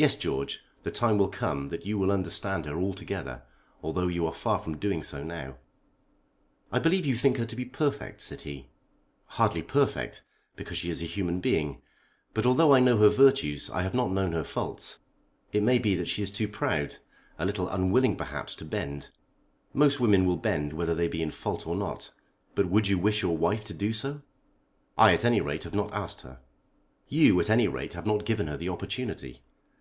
"Yes, George; the time will come that you will understand her altogether although you are far from doing so now." "I believe you think her to be perfect," said he. "Hardly perfect, because she is a human being. But although I know her virtues I have not known her faults. It may be that she is too proud, a little unwilling, perhaps, to bend. Most women will bend whether they be in fault or not. But would you wish your wife to do so?" "I, at any rate, have not asked her." "You, at any rate, have not given her the opportunity.